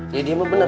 ya dia mah bener